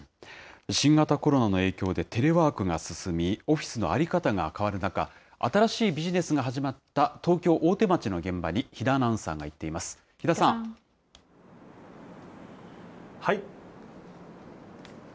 新型コロナの影響でテレワークが進み、オフィスの在り方が変わる中、新しいビジネスが始まった東京・大手町の現場に比田アナウンサーが行っています。